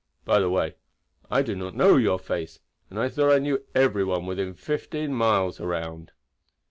By the way, I do not know your face, and I thought I knew every one within fifteen miles around."